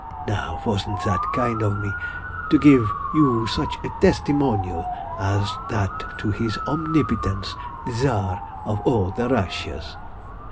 Now, wasn't that kind of me, to give you such a testimonial as that to his Omnipotence the Tsar of All the Russias?"